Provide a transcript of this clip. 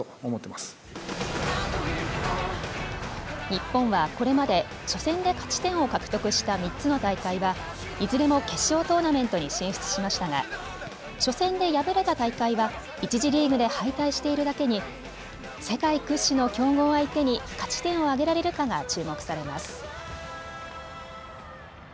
日本はこれまで初戦で勝ち点を獲得した３つの大会はいずれも決勝トーナメントに進出しましたが初戦で敗れた大会は１次リーグで敗退しているだけに世界屈指の強豪相手に勝ち点を挙げられるかが注目されます。